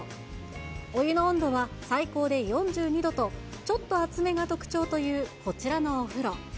お湯の温度は最高で４２度と、ちょっと熱めが特徴というこちらのお風呂。